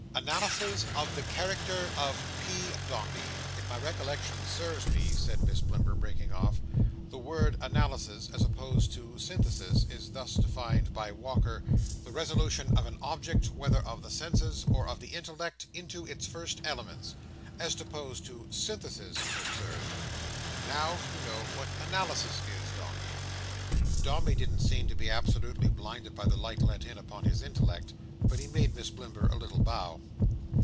"'Analysis of the character of P. Dombey.' If my recollection serves me," said Miss Blimber breaking off, "the word analysis as opposed to synthesis, is thus defined by Walker. 'The resolution of an object, whether of the senses or of the intellect, into its first elements.' As opposed to synthesis, you observe. Now you know what analysis is, Dombey." Dombey didn't seem to be absolutely blinded by the light let in upon his intellect, but he made Miss Blimber a little bow.